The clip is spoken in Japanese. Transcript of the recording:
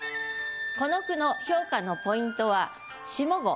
この句の評価のポイントは下五。